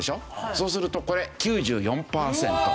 そうするとこれ９４パーセント。